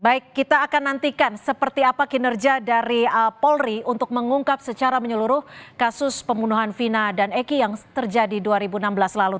baik kita akan nantikan seperti apa kinerja dari polri untuk mengungkap secara menyeluruh kasus pembunuhan vina dan eki yang terjadi dua ribu enam belas lalu